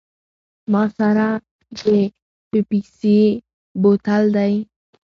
ما سره د پیپسي دا بوتل دی.